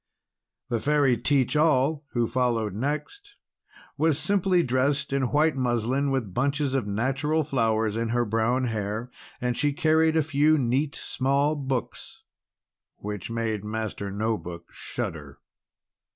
The Fairy Teach All, who followed next, was simply dressed in white muslin, with bunches of natural flowers in her brown hair; and she carried a few, neat, small books, which made Master No Book shudder.